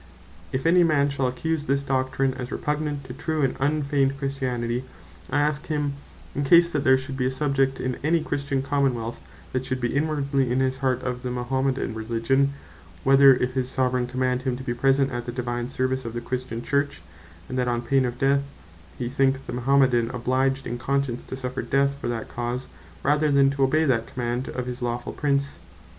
If any man shall accuse this doctrine, as repugnant to true, and unfeigned Christianity; I ask him, in case there should be a subject in any Christian Common wealth, that should be inwardly in his heart of the Mahometan Religion, whether if his Soveraign Command him to bee present at the divine service of the Christian Church, and that on pain of death, he think that Mamometan obliged in conscience to suffer death for that cause, rather than to obey that command of his lawful Prince.